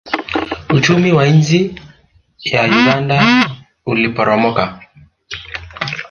uchumi wa nchi ya uganda uliporomoka